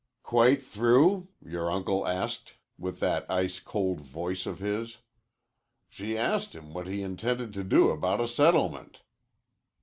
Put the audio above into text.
'Quite through?' yore uncle asked with that ice cold voice of his. She asked him what he intended to do about a settlement.